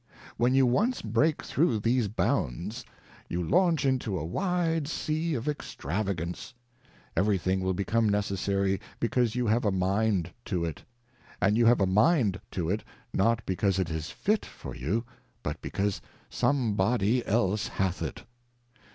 When you once break through these bounds, you launch into a wide Sea of Extravagance. Every thing will become necessary, because you have a mind to it ; and you have a mind to it, not because it \?,fit for you, but because some body else hath it.